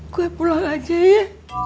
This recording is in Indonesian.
gue pulang aja ya